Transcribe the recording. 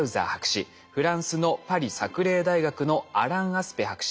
フランスのパリ・サクレー大学のアラン・アスペ博士。